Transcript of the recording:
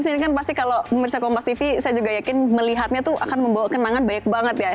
ini kan pasti kalau mirsa kompas tv saya juga yakin melihatnya tuh akan membawa kenangan banyak banget ya